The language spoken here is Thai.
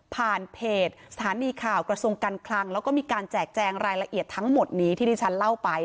เพจสถานีข่าวกระทรวงการคลังแล้วก็มีการแจกแจงรายละเอียดทั้งหมดนี้ที่ที่ฉันเล่าไป